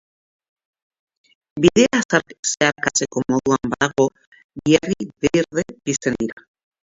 Bidea zeharkatzeko moduan badago, bi argi berde pizten dira.